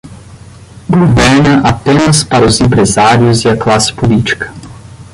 Governa apenas para os empresários e a classe política